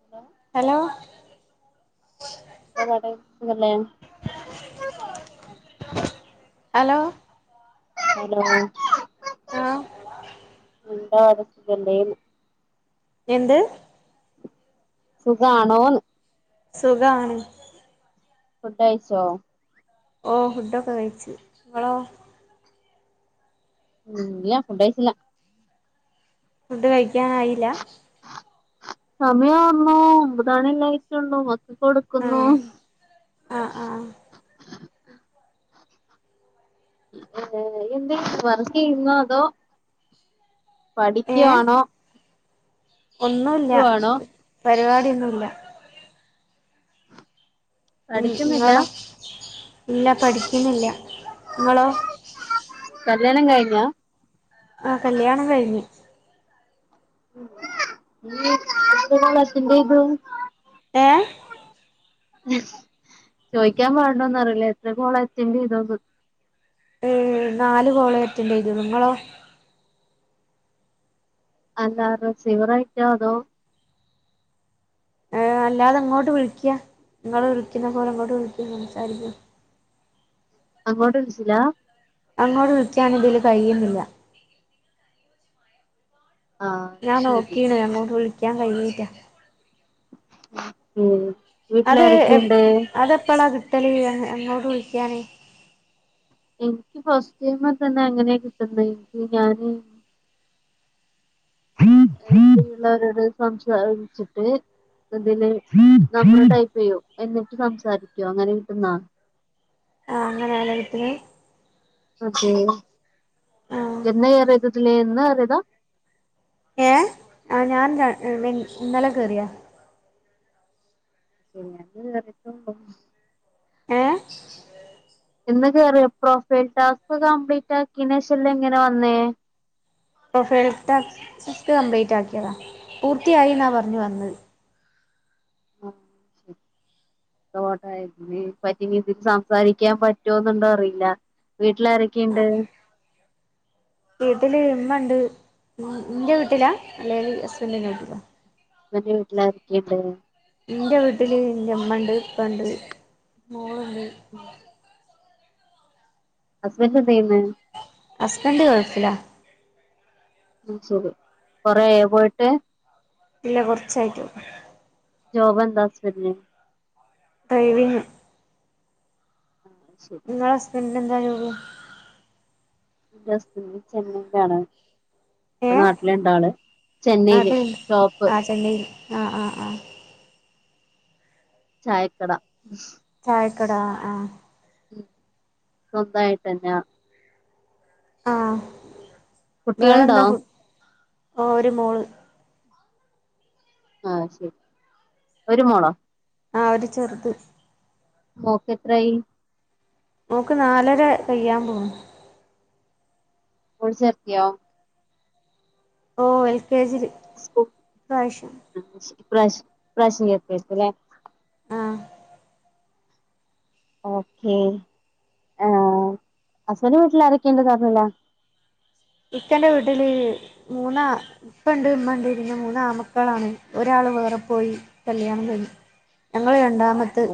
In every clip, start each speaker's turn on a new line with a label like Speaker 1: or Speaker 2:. Speaker 1: Hello
Speaker 2: hello
Speaker 1: ത്താപാട് സുഖല്ലേ
Speaker 2: hello
Speaker 1: [unintelligible]
Speaker 2: ആഹ്
Speaker 1: എല്ലടല്ലയും
Speaker 2: എന്ത്
Speaker 1: സുഖാണോന്ന്
Speaker 2: സുഖാണ്
Speaker 1: ഫുഡ് കയ്ച്ചോ
Speaker 2: ഓ ഫുഡൊക്കെ കഴിച്ചു നിങ്ങളോ
Speaker 1: ഉം ഇല്ല ഫണ്ടയച്ചില്ല
Speaker 2: ഫുഡ് കഴിക്കാനായില്ല
Speaker 1: സമയം വന്നു ഒമ്പതണല്ലായിട്ടുണ്ടോ മക്ക കൊടുക്കുന്നു
Speaker 2: ആഹ് ആഹ് ആഹ്
Speaker 1: ഏഹ് എന്ത് വറക്കയിന്നോ അതോ പഠിക്കുവാണോ
Speaker 2: ഒന്നുമില്ല
Speaker 1: ക്കുവാണോ
Speaker 2: പരിപാടൊന്നുമല്ല ഉം
Speaker 1: പഠിക്കുന്നില്ല
Speaker 2: നിങ്ങളോ ഇല്ല പഠിക്കുന്നില്ല നിങ്ങളോ
Speaker 1: കല്യാണം കഴിഞ്ഞോ
Speaker 2: ആ കല്യാണം കഴിഞ്ഞ്
Speaker 1: [unintelligible]
Speaker 2: ഏഹ്
Speaker 1: ചോയിക്കാൻ പാട്ണ്ടോന്നും അറിയില്ല എത്ര കോള് അറ്റൻ്റ ചെയ്തോന്ന്
Speaker 2: ഏഹ് നാല് കോള് അറ്റൻഡ് ചെയ്തണു നിങ്ങളോ?
Speaker 1: അല്ല റസീവർ ആയിറ്റാ ആതോ
Speaker 2: ഏ അല്ലതെങ്ങോട്ട് വിളിക്ക നിങ്ങൾ വിളിക്കുന്ന പോലെ അങ്ങോട്ട് വിളിക്ക സംസാരിക്ക
Speaker 1: അങ്ങോട്ട് വിളിച്ചില്ലാ
Speaker 2: അങ്ങോട് വിളിക്കാൻ ഇതില് കഴിയുന്നില്ല
Speaker 1: ആഹ്
Speaker 2: ഞാൻ
Speaker 1: ശരി
Speaker 2: നോകീണ് അങ്ങോട്ട് വിളിക്കാൻ കഴിഞ്ഞില്ല
Speaker 1: ഉം
Speaker 2: അത് എ
Speaker 1: വീട്ടിലാരൊക്കെയുണ്ട്
Speaker 2: അത് എപ്പളാ കിട്ടല് അങ്ങോട്ട് വിളിക്കാന്
Speaker 1: എനിക്ക് ഫസ്റ്റ് ടൈം തന്നെ അങ്ങനെ കിട്ടുന്നത് എനിക്ക് ഞാന് [unintelligible] ള്ളവരോട് സംസാരിച്ചിട്ട് ഇതില് നമ്മള് ടൈപ്പ് ചെയ്യും എന്നിട്ട് സംസാരിക്കും അങ്ങനെ കിട്ടുന്നാ
Speaker 2: ആ അങ്ങനെ വീട്ട്ല്
Speaker 1: അതെ,
Speaker 2: ആഹ്
Speaker 1: എന്ന് കേറിയതാ ഇതില് ഇന്ന് കേറിയതാ
Speaker 2: ഏഹ് ആ ഞാൻ ഇന്നലെ കേറിയാ
Speaker 1: [unintelligible]
Speaker 2: ഏഹ്
Speaker 1: എന്ന് കേറിയ എപ്പോ പ്രൊഫൈൽ ടാസ്ക് കംപ്ലീറ്റ് ആക്കിയതിനു ശേഷം അല്ലേ ഇങ്ങനെ വന്നേ
Speaker 2: പ്രൊഫൈൽ ടാക്സ്ക് കംപ്ലീറ്റ് ആക്കിയതാ പൂർത്തിയായി എന്നാ പറഞ്ഞു വന്നത്
Speaker 1: ആ ശ [unintelligible] ഇതിൽ സംസാരിക്കാൻ പറ്റുന്നുണ്ടോ അറിയില്ല വീട്ടിലാരൊക്കെ ഇണ്ട്
Speaker 2: വീട്ടില് ഇമ്മ ഉണ്ട് ഇന്റെ വീട്ടിലാ അല്ലെ ഹസ്ബന്റിന്റെ വീട്ടിലാ
Speaker 1: നിൻ്റെ വീട്ടിൽ ആരൊക്കെയുണ്ട്
Speaker 2: ഇന്റെ വീട്ടില് ഇന്റെ ഇമ്മണ്ട് ഇപ്പണ്ട് മോളുണ്ട്
Speaker 1: ഹസ്ബൻഡ് എന്തായ്യ്ന്നേ
Speaker 2: ഹസ്ബൻഡ് ഗൾഫിലാ
Speaker 1: ഉം സുഖം കുറെ ആയോ പോയിട്ട്
Speaker 2: ഇല്ല കുറച്ചായിട്ടുളളു
Speaker 1: ജോബ് എന്താ ഹസ്ബന്റിന്
Speaker 2: ഡ്രൈവിംഗ്
Speaker 1: ആ ശരി
Speaker 2: ഇങ്ങളെ ഹസ്ബന്റിനെന്താ ജോബ്
Speaker 1: അന്റെ ഹസ്ബൻഡ് ചെന്നൈയിലാണോ ഇപ്പൊ
Speaker 2: ഏ
Speaker 1: നാട്ടില് ഉണ്ടോ ആള് ചെന്നൈയില്
Speaker 2: നാട്ടിലുണ്ട്
Speaker 1: ഷോപ്പ്
Speaker 2: ആ ചെന്നൈയിൽ ആ ആ ആ
Speaker 1: ചായക്കട
Speaker 2: ചായക്കട ആഹ് ആഹ്
Speaker 1: ഉം സ്വന്തായിട്ടന്ന
Speaker 2: ആഹ് വേറെ
Speaker 1: കുട്ടികളുണ്ടോ
Speaker 2: എന്താ ഫു ഒരു മോള്
Speaker 1: ആ ശരി ഒരു മോളോ
Speaker 2: ആ ഒരു ചെറുത്
Speaker 1: മോക്ക് എത്രായി
Speaker 2: ഓക്ക് നാലര കയ്യാൻ പോ
Speaker 1: ഒൾ ചെർക്കിയോ
Speaker 2: ഓ എൽ കെ ജി പ്രാവശ്യം
Speaker 1: പ്രശ് പ്രശ്ന എത്തസല്ലേ
Speaker 2: ആഹ്
Speaker 1: ഓക്കേ ആ അസല വീട്ടിൽ ആരൊക്കെയണ്ടന്ന് പറഞ്ഞില്ല
Speaker 2: ഇക്കൻ്റെ വീട്ടില് മൂന്നാ ഇപ്പ ഉണ്ട് ഉമ്മ ഉണ്ട് പിന്നെ മൂന്ന് ആൺമക്കളാണ് ഒരാൾ വേറെ പോയി കല്യാണം കഴിഞ്ഞു ഞങ്ങള്ൾ രണ്ടാമത്തെ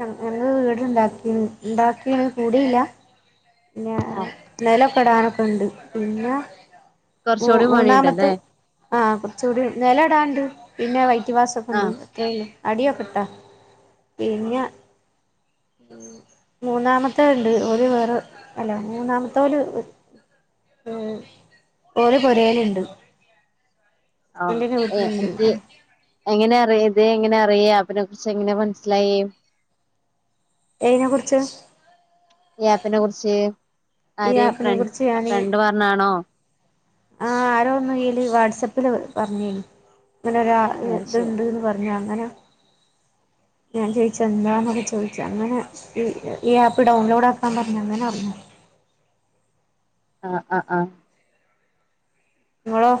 Speaker 2: ഞങ്ങള് വീട്ണ്ടാക്കി ഉണ്ടാക്കിയത് കൂടിയില്ല
Speaker 1: ആഹ് ശരി
Speaker 2: നിലപെടാനൊക്കെുണ്ട് പിന്നെ മം മം
Speaker 1: കുറച്ചുകൂടി പണിയുണ്ടല്ലേ
Speaker 2: മൂന്നാമത്ത് ആഹ് കുറച്ച കൂടി നില ഇടാണ്ട് പിന്നെ വൈദ്യവാസം ഒക്കെ
Speaker 1: ആ
Speaker 2: ഉണ്ട് അടിയോപ്പെെട്ടോ പിന്നെ മൂന്നാമത്തെ ഉണ്ട് ഒരു വേറെ അല്ല മൂന്നാമത്തേല് പോല ആ ഓര പൊരയിലുണ്ട്
Speaker 1: ആഹ് ഏ എനിക്ക് എങ്ങനെ അറിയ ഇതെ എങ്ങനെ അറിയാം അനെ കുറിച്ച് എങ്ങനെ മനസ്സിലായി
Speaker 2: ഏതിനെക്കുറിച്ച്?
Speaker 1: കുര്യാപ്പിനെ കുറിച്ച്
Speaker 2: ഈ
Speaker 1: ആര്
Speaker 2: ആപ്പിനെ
Speaker 1: ഫ്രണ്ട്
Speaker 2: കുറിച്ച് ഞാന്
Speaker 1: ഫ്രണ്ട് പറഞ്ഞാണോ
Speaker 2: ആഹ് ആരോ ഒന്നുല് വാട്സപ്പില് പറഞ്ഞി ഇങ്ങനൊരാള്
Speaker 1: ആ
Speaker 2: ആത്
Speaker 1: ശരി
Speaker 2: ഇത്ണ്ട്ന്ന് പറഞ്ഞ അങ്ങനെ ഞാൻ ചോയിച്ച് എന്താന്നൊക്കെ ചോദിച്ച അങ്ങനെ ഈ ഈ ആപ്പ് ഡൗൺലോഡ് ആക്കാ പറഞ്ഞ് അങ്ങനെ അറിഞ്ഞു
Speaker 1: ആഹ് ആഹ് ആഹ്
Speaker 2: വളോ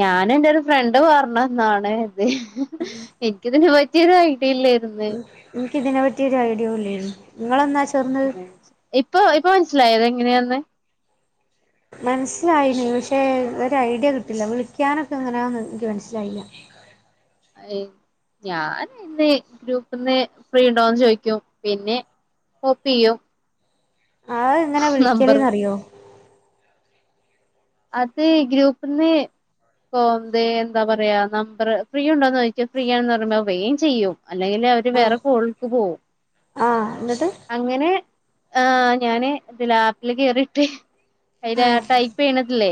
Speaker 1: ഞാൻ എന്റെ ഒരു ഫ്രണ്ട് പറഞ്ഞന്നാണ് ഇത് എനിക്കതിനന് പറ്റിയൊരു ഐഡിയയില്ലേ
Speaker 2: എനിക്ക ഇതിനെ പറ്റി ഒരു ഐഡിയ ഇല്ലായിരുന്നു നിങ്ങളന്നാ ചെറ
Speaker 1: ഇപ്പൊ ഇപ്പൊ മനസ്സിലായോ ഇത് എങ്ങനെയാന്ന്
Speaker 2: മനസ്സിലായിനീ പക്ഷെ ഒരു ഐഡിയ കിട്ടില്ല വിളിക്കാനൊക്കെ അങ്ങനെയന്നന്ന് എനിക്ക് മനസ്സിലായില്ല
Speaker 1: ഞാൻ ഇന്ന് ഗ്രൂപ്പ്ന്ന് ഫ്രീ ഉണ്ടോന്ന് ചോദിക്കും പിന്നെ ഓ പിയോ
Speaker 2: ആഹ് ഇങ്ങനെ വിളിക്കലേന്ന്റിയോ
Speaker 1: അത് ഗ്രൂപ്പിന്ന് ഇന്ത് എന്താ പറയാ നമ്പർ ഫ്രീ ഉണ്ടോന്ന് ചോദിച്ചാൽ ഫ്രീ ആണെന്ന് പറയുമ്പോ വേം ചെയ്യും അല്ലെങ്കിൽ ഒരു വേറെ
Speaker 2: ആഹ്
Speaker 1: കോഴക്ക് പോകവും
Speaker 2: ആഹ് എന്നിട്ട്
Speaker 1: അങ്ങനെ ഞാന് ഇത് ലാപ്പില കേയറിട്ട് അതി
Speaker 2: ആഹ്
Speaker 1: ടൈപ്പ് ചെയ്യണ ല്ലേ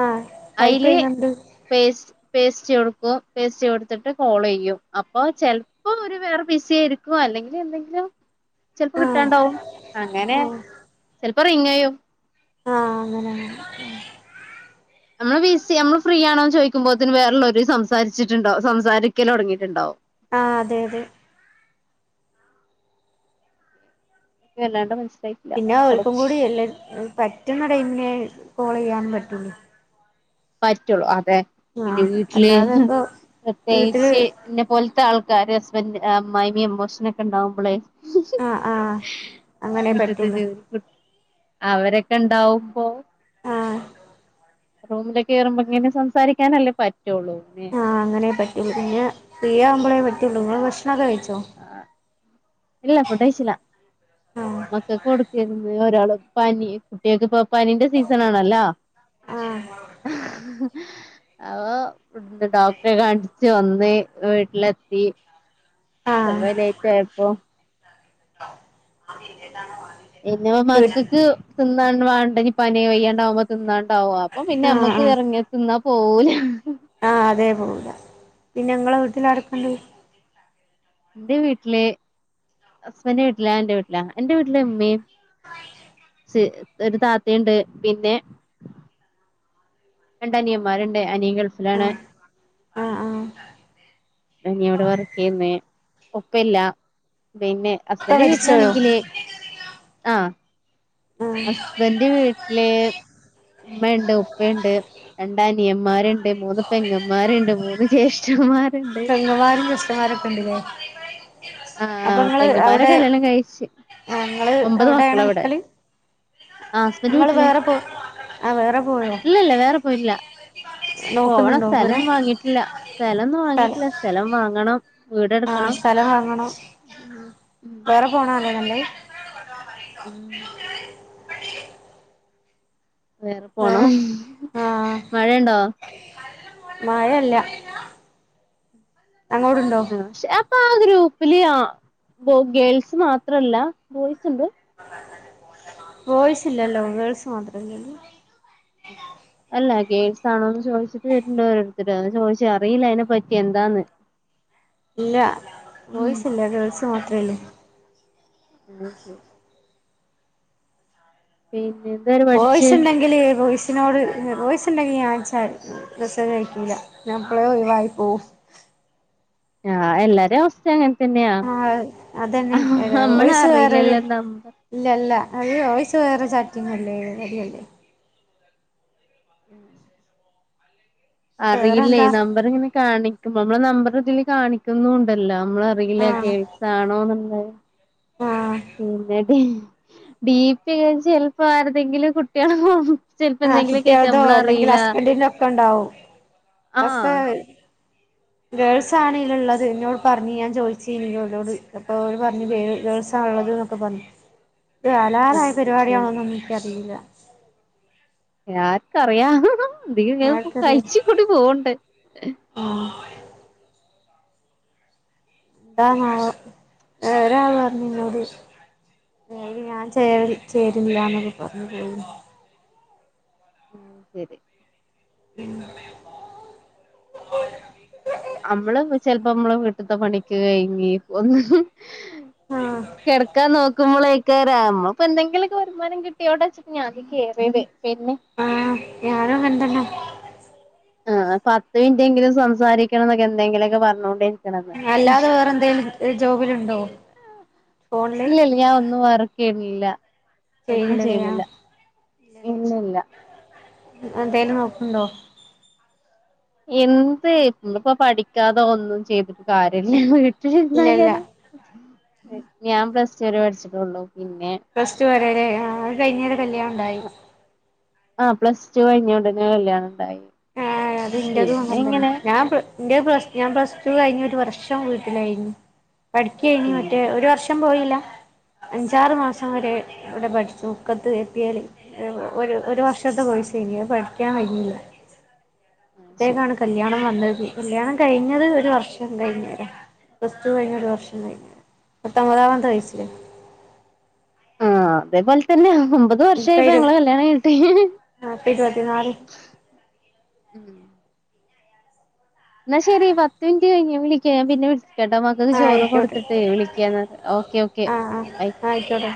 Speaker 2: ആഹ് ടൈപ്പ്
Speaker 1: അയില്
Speaker 2: ചെയ്യുന്നുണ്ട്
Speaker 1: പേസ് പേസ്റ്റ്‌ കൊടുക്കും പേസറ്റ് കൊടുത്തിട്ട് കോള് ചെയ്യും അപ്പൊ ചെൽ ഇപ്പൊ ഒരു വേറെ ബിസി ആയിരിക്കുവോ അല്ലെങ്കിൽ എന്തെങ്കിലും ചിലപ്പോ
Speaker 2: ആഹ്
Speaker 1: കിട്ടാണ്ടാവും അങ്ങനെ
Speaker 2: ആഹ്
Speaker 1: ചെലപ്പോ റിങ്ങയും
Speaker 2: ആഹ് അങ്ങനെങ്ങെ
Speaker 1: നമ്മള് വി സി നമ്മള് ഫ്രീ ആണോ ചോദിക്കുമ്പോഴേന് വേറെള്ളരും സംസാരിച്ചിട്ടുണ്ടും സംസാരിക്കൽ തുടങ്ങിയിട്ടണ്ടാവും
Speaker 2: ആഹ് അതെ അതെ
Speaker 1: വല്ലാണ്ട് മനസ്സായി
Speaker 2: പിന്നെ ഒക്കും കൂടി എല്ല പറ്റുന്ന ടൈമിനെ കോൾ ചെയ്യാനും പറ്റുള്ളൂ
Speaker 1: പറ്റുള്ളു അതെ പിന്നെ
Speaker 2: ആഹ്
Speaker 1: വീട്ടില്
Speaker 2: അല്ലാതെപ്പൊ വീട്ടില്
Speaker 1: പ്രത്യേകിച്ച് പിന്നെ പോലത്തെ ആൾക്കാര് ഹസ്ബന്ഡ്ന്റിന്റെ അമ്മായിയമ്മ എമോഷനൊക്കെ ഉണ്ടാാവുമ്പോളേ ഹിം ഹിം
Speaker 2: ആഹ് ആഹ് അങ്ങനെ പറ്റുള്ളൂ
Speaker 1: [unintelligible] അവരൊക്കെ ഇണ്ടാവുമ്പോ
Speaker 2: ആഹ്
Speaker 1: റൂമിലൊക്കെ കേയറുമ്പോ ഇങ്ങനെ സംസാരിക്കാനല്ലേ പറ്റുള്ളൂ
Speaker 2: ആഹ് അങ്ങനേ പറ്റുള്ളൂ പിന്നെ ഫ്രീ ആവുമ്പോളേ പറ്റുള്ളൂ ങ്ങൾ ഭക്ഷണംക്കെ കഴിച്ചോ
Speaker 1: ആഹ് ഇല്ല ഫുഡ് കയ്ചില
Speaker 2: ആഹ്
Speaker 1: മക്കക്ക് കൊടുക്കേയിര്ന്ന് ഒരാള് പനി കുട്ടികൾക്ക് ഇപ്പൊ പനീന്റെ സീസൺ ആണല്ലോ
Speaker 2: ആഹ്
Speaker 1: അവ ഡോക്ടറെ കാണിച്ച് വന്ന് വീട്ടിലെത്തി സമ
Speaker 2: ആഹ്
Speaker 1: ലേറ്റയപ്പോ
Speaker 2: [unintelligible]
Speaker 1: പിന്ന
Speaker 2: വീട്ട്
Speaker 1: മക്കൾക്ക് തിന്നാ വേണ്ടകനി പനിയോ വയ്യാണ്ടാവുമ്പോ തിന്നാണ്ടാവും അപ്പൊ പിന്നെ
Speaker 2: ആഹ്
Speaker 1: അമ്മക്ക്
Speaker 2: ആഹ്
Speaker 1: ഇറങ്ങി തിന്നാ പോവൂല
Speaker 2: ആഹ് അതേ പോവില്ല പിന്നെങളെ വീട്ടിലാരക്കെണ്ട്
Speaker 1: ന്റെ വീട്ടില് ഹസബൻ്റവീട്ടിലാ ഞാൻ എന്റെ വീട്ടിലാ എന്റെ വീട്ടില് ഉമ്മയും ഒരു താത്തിയുണ്ട് പിന്നെ രണ്ട് അനിയന്മാരുണ്ട് അനിയൻ ഗൾഫിലാണ്
Speaker 2: ആഹ് ആഹ് ആഹ്
Speaker 1: നീ എവിടെ വർക്ക് ചെയ്യുന്നേ ഒപ്പില്ല പിന്നെ
Speaker 2: ഇപ്പ
Speaker 1: അസ്ബന്റെ
Speaker 2: മരിച്ചോയോ
Speaker 1: വീട്ടിലാണെങ്കില് ആഹ്
Speaker 2: ആഹ്
Speaker 1: അസ്ബൻ ന്റെ വീട്ടില് ഉമ്മണ്ട് ഉപ്പണ്ട് രണ്ട് അനിയന്മാരുണ്ട് മൂന്ന് പെങ്ങന്മാരുണ്ട് മൂന്ന് ജ്യേഷ്ഠന്മാരുണ്ട്
Speaker 2: പെങ്ങന്മാരും ജസ്റ്റന്മാരൊക്കെ ഇണ്ട്ലേ അപ്പൊ
Speaker 1: ആഹ്
Speaker 2: ങ്ങള്
Speaker 1: പെങ്ങന്മാരെ
Speaker 2: അവിടെ
Speaker 1: കല്യാണം കഴിച്ച്
Speaker 2: ആ ങ്ങള്
Speaker 1: ഒമ്പത്
Speaker 2: അവിടെണ്
Speaker 1: മക്കളാ ഇവിടെ
Speaker 2: നിക്കല്
Speaker 1: ആഹ് ഹസ്ബൻഡ്
Speaker 2: ങ്ങള്
Speaker 1: വീട്ടില്
Speaker 2: വേറെ പോ ആഹ് വേറെ പോയോ
Speaker 1: പോയിട്ടില്ല പോകണം
Speaker 2: നോക്കുന്നുണ്ടോ പുരം
Speaker 1: സ്ഥലംന്നും വാങ്ങിട്ടില്ല സ്ഥലംന്നും വാങ്ങിയിട്ടില്ല സ്ഥലം വാങ്ങണം
Speaker 2: ആ
Speaker 1: വീടെടുക്കണം
Speaker 2: സ്ഥലം വാങ്ങണം
Speaker 1: ഉ
Speaker 2: [unintelligible] അല്ലേ നല്ലെ
Speaker 1: ഉം വേറെ പോണം
Speaker 2: ആ
Speaker 1: മഴയുണ്ടോ
Speaker 2: മയല്ല അങ്ങോടുണ്ടോ
Speaker 1: ആഹ് പക്ഷെ അപ്പൊ ആ ഗ്രൂപ്പില് ആ ബോ ഗേൾസ് മാത്രല്ല ബോയ്സ് ണ്ട്
Speaker 2: ബോയ്സ് ഇല്ലല്ലോ ഗേൾസ് മാത്രല്ലേള്ളു
Speaker 1: അല്ല ഗേൾസ് ആണോന്ന് ചോദിച്ചിട്ട് രണ്ടോടത്തിട്ടന്ന് ചോദിച്ചു അറിയില്ല അതിനെ പറ്റി എന്താന്ന് [inaudible]
Speaker 2: ഇല്ല
Speaker 1: ഉം
Speaker 2: ബോയ്സ് ഇല്ല ഗേൾസ് മാത്രമേഉളളൂ
Speaker 1: [inaudible] പിന്ന
Speaker 2: പോയിസ് ഉണ്ടെങ്കില് പോയി [unintelligible] ബോയിസ് ഉണ്ടെങ്കിൽ ഞാൻ അയച്ചാൽ മെസേജ് അഴിക്കല്ല ഞാൻ പളെവായി പോവും
Speaker 1: ആഹ് എല്ലാര അവസ്ഥ അങ്ങനെ തന്നെയ
Speaker 2: ആ അതന്നെ
Speaker 1: മ്മളറിയില്ലല്ലോ നമ്മ
Speaker 2: ഇല്ലല്ല അത് വോയിസ് വേറെ ചാറ്റിങ്ങല്ലേ [unintelligible]
Speaker 1: ഉം അറിയില്ലേ
Speaker 2: വേറെന്താ
Speaker 1: നമ്പർ ഇങ്ങനെ കാണിക്ക്പോ നമ്മള നമ്പർ ഇതിൽ കാണിക്കുന്നുണ്ട് ഉണ്ടല്ലോ നമ്മളറിയില്ല
Speaker 2: ആഹ്
Speaker 1: ഗേൾസാണോന്നുള്ളത്
Speaker 2: ആഹ്
Speaker 1: പിന്നെത ഡീപി ചിലപ്പോ ആരതെങ്കിലും കുട്ടികളാവും ചെലപ്പോ
Speaker 2: ആഹ്
Speaker 1: എന്തെങ്കിലും കേക്കാ
Speaker 2: കുട്ടികൾതോ അല്ലെങ്കിൽ
Speaker 1: നമ്മളറില
Speaker 2: അസാന [unintelligible] ഗേൾസ് ആണ് ഇതിലുള്ളത് എന്നോട് പറഞ്ഞ് ഞാൻ ചോയിച്ചീനി അപ്പൊ അവര് പറഞ്ഞ് ഗേൾ ള്ളതന്നൊക്കെ പറഞ്ഞു
Speaker 1: [inaudible]
Speaker 2: ഇദ് ഹലാലയ
Speaker 1: ആഹ് ശരി
Speaker 2: പരിപാടിയാണോന്നൊന്നും ഇൻക്കറിയീല
Speaker 1: ആർക്കറിയ എ
Speaker 2: ആർക്കറിയ
Speaker 1: കഴിച്ച കൂടി പോവണ്ട്
Speaker 2: ആഹ് എന്താനവം ഒരാൾ പറന്നു എന്നോട് മ് ഞാൻ ച ചേരുന്നില്ല എന്നൊക്കെ പറഞ്ഞു പോന്ന്
Speaker 1: ഉം ശരി
Speaker 2: മം [unintelligible]
Speaker 1: നമ്മള് ചെലപ്പോ നമ്മള് വീട്ടിത്തെ പണിക്കെ കഴിന്ന് ഇപ്പ ഒന്ന്
Speaker 2: ആഹ്
Speaker 1: കെടക്കാൻ നോക്കുമ്പോളേ കേറാം മ്മൾപ്പ എന്തെങ്കില്ക്കെ വരുമാനം കിട്ടിയോട്ടെച്ചിട്ട് ഞാൻതി കേറിയത് പിന്നെ
Speaker 2: ആഹ് ഞാനും അങ്ങനത്തന്നാ
Speaker 1: ആ പത്ത് മിനിറ്റെങ്കിലും സംസാരിക്കണംന്നൊക്കെ എന്തെങ്കിലുക്കെ പറഞ്ഞോണ്ട് ക്കെണാമ്മെ
Speaker 2: അല്ലാതെ വേറെ എന്തേലും ജോബിലുണ്ടോ ഫോണില്
Speaker 1: ഇല്ലല്ല ഞാൻ ഒന്നും മർ കെമില്ല
Speaker 2: ചെയ്ല്ലതെയാ ഇല്ലലേ
Speaker 1: ഇല്ലില്ല
Speaker 2: എന്തേലും നോക്ണ്ടോ
Speaker 1: എന്ത് ഇപ്പോ പഠിക്കാതോ ഒന്നും ചെയ്തിട്ട് കാര്ല്ല
Speaker 2: ഇല്ല ഇല്ല
Speaker 1: വീട്ടിലിരുന്നായാലും ഞാൻ പ്ലസ്റ്റുരെ പഠിച്ചിട്ടുള്ളു പിന്നെ
Speaker 2: പ്ലസ് ടു വരെരെ അ കൈഞ്ഞരെ കല്യാണം ഉണ്ടായി
Speaker 1: ആഹ് പ്ലസ് ടു കഴിഞ്ഞ കൊണ്ടുന്ന കല്യാണ ഉണ്ടായി
Speaker 2: ആഹ് അതിന്റെതും
Speaker 1: പിന്നെ
Speaker 2: അങ്ങന തന്നെ
Speaker 1: ഇങ്ങനെ
Speaker 2: ഞാൻ ഇന്റെ പ്ലസ് ഞാൻ പ്ലസ് ടു കഴിഞ് ഒരുവർഷം വീട്ടിലായിരുന്നു പഠിക്കേനി
Speaker 1: ഉം
Speaker 2: മറ്റേ ഒരു വർഷം പോയീല്ല അഞ്ചാറ് മാസംവരെ വ്ടെ പഠിച്ചു മുക്കത്ത് കെ പി എല് ഒരു ഒരു വർഷത്തെ കോയിസേനി അത് പഠിക്കാൻ കയിഞീല്ല
Speaker 1: ശരി
Speaker 2: ത്തേക്കാണ് കല്യാണം വന്നത് കല്യാണം കഴിഞ്ഞത് ഒരു വർഷം ഉണ്ടായിന്നില്ല പ്ലസ് സ്റ്റു കഴിന്ന് ഒരു വർഷം കഴിഞ്ഞ് പത്തൊമ്പതാമത്തെ വയസ്സിൽ
Speaker 1: ആഹ് അതേപോലെ തന്നെയാ ഒമ്പത് വർഷമായിപ്പ ഞങ്ങളെ കല്യാണം കഴിഞ്ഞിട്ട് [unintelligible]
Speaker 2: ആപ്പൊ ഇരുത്തിനാല്
Speaker 1: ന്നാ ശരി പത്ത്മിൻറ്റ് കഴിഞ്ഞ് ഞ വിളിക്ക ഞാൻ പിന്നെ വിളിക്കാട്ടാ മ ക്കക്
Speaker 2: ആ
Speaker 1: ചോറ്
Speaker 2: ആയിക്കോട്ടെ
Speaker 1: കൊടുത്തിട്ടേ വിളിക്കാന്ന് ഓക്കെ ഓക്കെ
Speaker 2: ആ
Speaker 1: ബൈ
Speaker 2: ആ ആയിക്കോട്ടെ